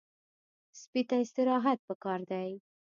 سپي ته استراحت پکار دی.